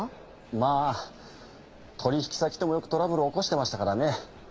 まあ取引先ともよくトラブル起こしてましたからね。